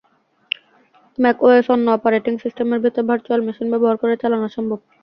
MacOS অন্য operating সিস্টেমের ভেতরে ভার্চুয়াল মেশিন ব্যবহার করে চালানো সম্ভব।